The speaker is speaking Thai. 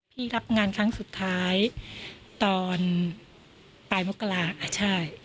รับงานครั้งสุดท้ายตอนปลายมกราใช่